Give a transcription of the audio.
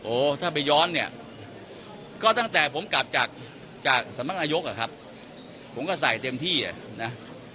ถ้าไปย้อนเนี่ยก็ตั้งแต่ผมกลับจากสำนักนายกอะครับผมก็ใส่เต็มที่อ่ะนะ